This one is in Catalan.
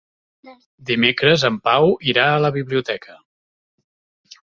Dimecres en Pau irà a la biblioteca.